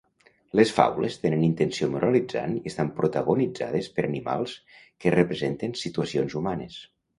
Les faules tenen intenció moralitzant i estan protagonitzades per animals que representen situacions humanes.